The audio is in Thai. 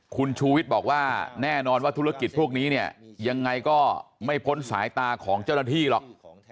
คุณชูวิทย์บอกว่าแน่นอนว่าธุรกิจพวกนี้เนี่ยยังไงก็ไม่พ้นสายตาของเจ้าหน้าที่หรอก